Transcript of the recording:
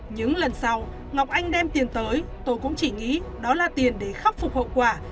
những lần sau ngọc anh đem tiền tới tôi cũng chỉ nghĩ đó là tiền để khắc phục hậu quả